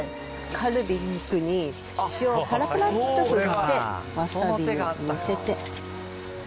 カルビ肉に塩をぱらぱらっと振って、わさびを載せて。